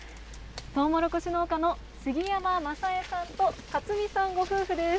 トウモロコシ農家の杉山成江さんと克己さんご夫婦です。